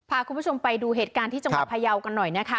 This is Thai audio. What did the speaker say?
พาคุณผู้ชมไปดูเหตุการณ์ที่จังหวัดพยาวกันหน่อยนะคะ